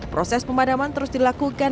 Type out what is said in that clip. proses pemadaman terus dilakukan